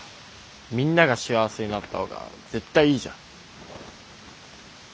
みんなが幸せになった方が絶対いいじゃん。